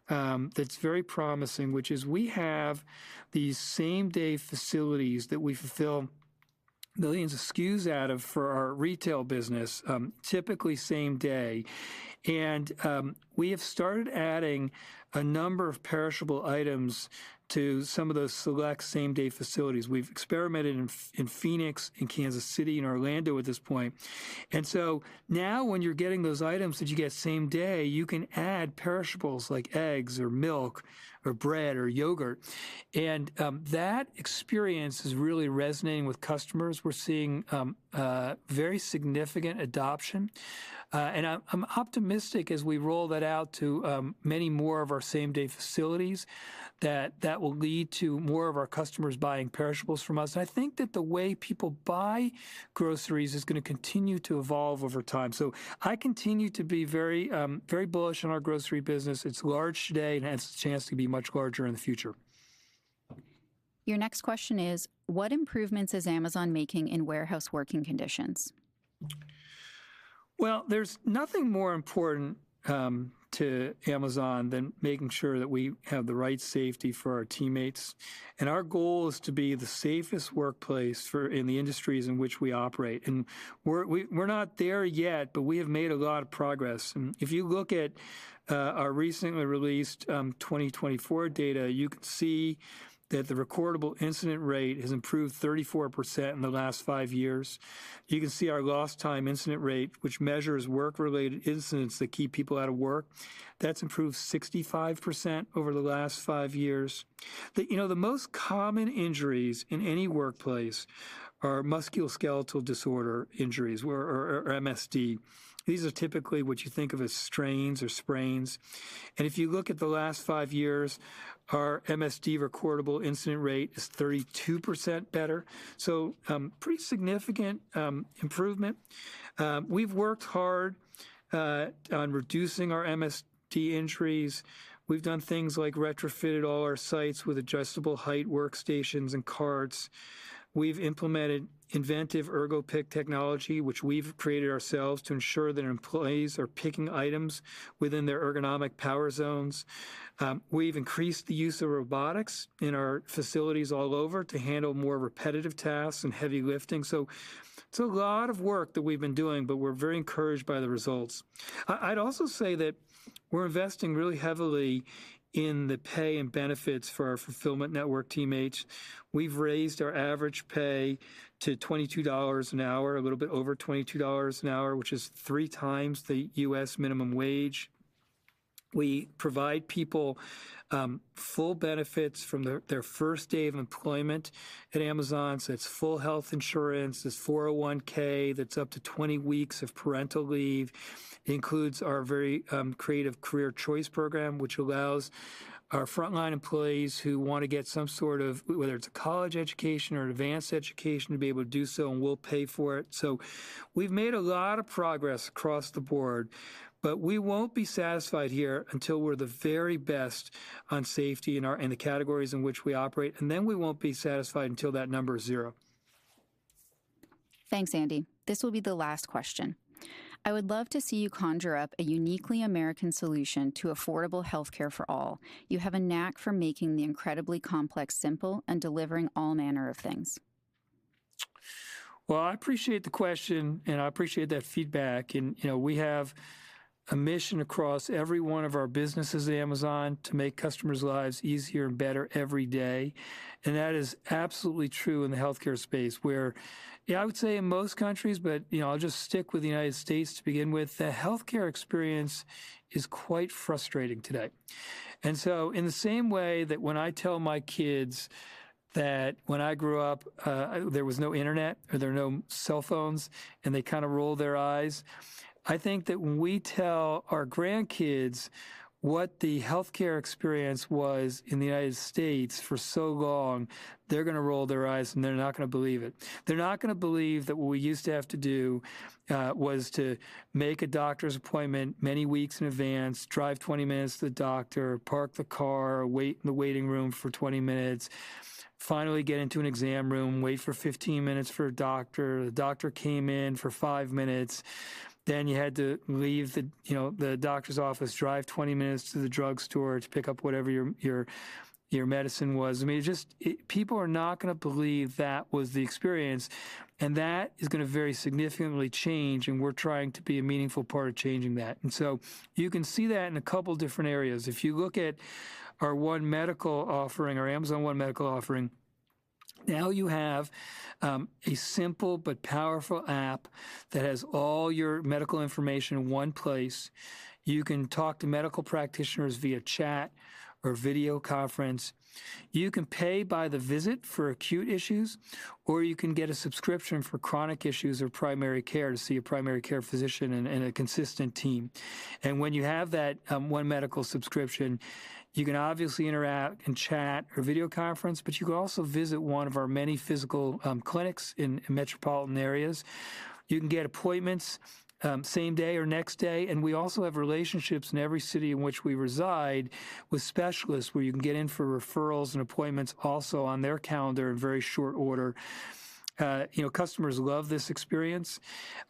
that's very promising, which is we have these same-day facilities that we fulfill millions of SKUs out of for our retail business, typically same day. We have started adding a number of perishable items to some of those select same-day facilities. We've experimented in Phoenix, in Kansas City, in Orlando at this point. Now when you're getting those items that you get same day, you can add perishables like eggs or milk or bread or yogurt. That experience is really resonating with customers. We're seeing very significant adoption. I'm optimistic as we roll that out to many more of our same-day facilities that that will lead to more of our customers buying perishables from us. I think that the way people buy groceries is going to continue to evolve over time. I continue to be very bullish on our grocery business. It's large today and has a chance to be much larger in the future. Your next question is, what improvements is Amazon making in warehouse working conditions? There is nothing more important to Amazon than making sure that we have the right safety for our teammates. Our goal is to be the safest workplace in the industries in which we operate. We are not there yet, but we have made a lot of progress. If you look at our recently released 2024 data, you can see that the recordable incident rate has improved 34% in the last five years. You can see our lost time incident rate, which measures work-related incidents that keep people out of work. That has improved 65% over the last five years. The most common injuries in any workplace are musculoskeletal disorder injuries or MSD. These are typically what you think of as strains or sprains. If you look at the last five years, our MSD recordable incident rate is 32% better. Pretty significant improvement. We've worked hard on reducing our MSD injuries. We've done things like retrofitted all our sites with adjustable height workstations and carts. We've implemented inventive ErgoPick technology, which we've created ourselves to ensure that employees are picking items within their ergonomic power zones. We've increased the use of robotics in our facilities all over to handle more repetitive tasks and heavy lifting. It is a lot of work that we've been doing, but we're very encouraged by the results. I'd also say that we're investing really heavily in the pay and benefits for our fulfillment network teammates. We've raised our average pay to $22 an hour, a little bit over $22 an hour, which is three times the U.S. minimum wage. We provide people full benefits from their first day of employment at Amazon. It is full health insurance, it's 401(k), that's up to 20 weeks of parental leave. It includes our very creative Career Choice program, which allows our frontline employees who want to get some sort of, whether it's a college education or advanced education, to be able to do so and we'll pay for it. We have made a lot of progress across the board, but we won't be satisfied here until we're the very best on safety in the categories in which we operate. We won't be satisfied until that number is zero. Thanks, Andy. This will be the last question. I would love to see you conjure up a uniquely American solution to affordable healthcare for all. You have a knack for making the incredibly complex simple and delivering all manner of things. I appreciate the question and I appreciate that feedback. We have a mission across every one of our businesses at Amazon to make customers' lives easier and better every day. That is absolutely true in the healthcare space, where I would say in most countries, but I'll just stick with the United States to begin with, the healthcare experience is quite frustrating today. In the same way that when I tell my kids that when I grew up, there was no internet or there were no cell phones and they kind of rolled their eyes, I think that when we tell our grandkids what the healthcare experience was in the United States for so long, they're going to roll their eyes and they're not going to believe it. They're not going to believe that what we used to have to do was to make a doctor's appointment many weeks in advance, drive 20 minutes to the doctor, park the car, wait in the waiting room for 20 minutes, finally get into an exam room, wait for 15 minutes for a doctor, the doctor came in for five minutes, then you had to leave the doctor's office, drive 20 minutes to the drugstore to pick up whatever your medicine was. I mean, just people are not going to believe that was the experience. That is going to very significantly change. We are trying to be a meaningful part of changing that. You can see that in a couple of different areas. If you look at our One Medical offering, our Amazon One Medical offering, now you have a simple but powerful app that has all your medical information in one place. You can talk to medical practitioners via chat or video conference. You can pay by the visit for acute issues, or you can get a subscription for chronic issues or primary care to see a primary care physician and a consistent team. When you have that One Medical subscription, you can obviously interact and chat or video conference, but you can also visit one of our many physical clinics in metropolitan areas. You can get appointments same day or next day. We also have relationships in every city in which we reside with specialists where you can get in for referrals and appointments also on their calendar in very short order. Customers love this experience.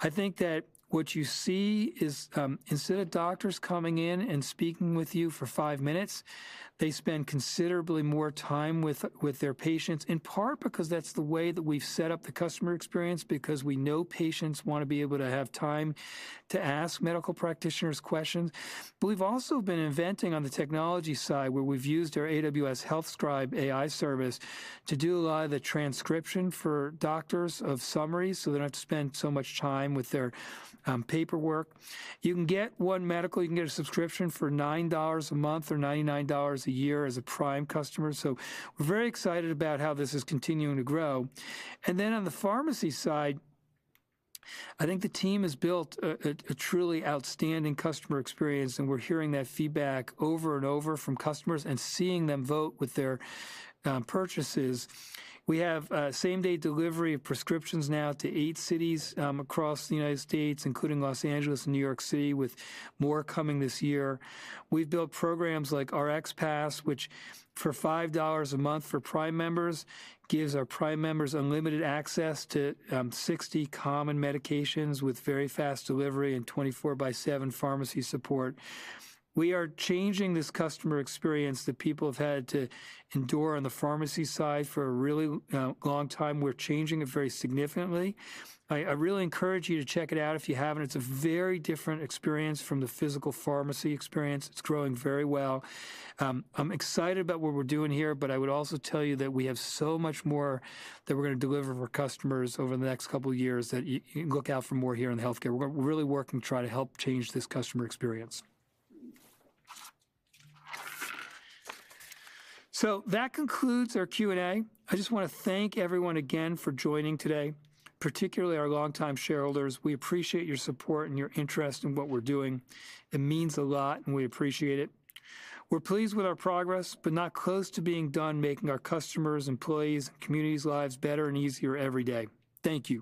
I think that what you see is instead of doctors coming in and speaking with you for five minutes, they spend considerably more time with their patients, in part because that's the way that we've set up the customer experience, because we know patients want to be able to have time to ask medical practitioners questions. We have also been inventing on the technology side where we've used our AWS HealthScribe AI service to do a lot of the transcription for doctors of summaries so they don't have to spend so much time with their paperwork. You can get One Medical, you can get a subscription for $9 a month or $99 a year as a Prime customer. We are very excited about how this is continuing to grow. On the pharmacy side, I think the team has built a truly outstanding customer experience. We're hearing that feedback over and over from customers and seeing them vote with their purchases. We have same-day delivery of prescriptions now to eight cities across the United States, including Los Angeles and New York City, with more coming this year. We've built programs like RxPass, which for $5 a month for Prime members gives our Prime members unlimited access to 60 common medications with very fast delivery and 24x7 pharmacy support. We are changing this customer experience that people have had to endure on the pharmacy side for a really long time. We're changing it very significantly. I really encourage you to check it out if you haven't. It's a very different experience from the physical pharmacy experience. It's growing very well. I'm excited about what we're doing here, but I would also tell you that we have so much more that we're going to deliver for customers over the next couple of years that you can look out for more here in the healthcare. We're really working to try to help change this customer experience. That concludes our Q&A. I just want to thank everyone again for joining today, particularly our longtime shareholders. We appreciate your support and your interest in what we're doing. It means a lot and we appreciate it. We're pleased with our progress, but not close to being done, making our customers, employees, and communities' lives better and easier every day. Thank you.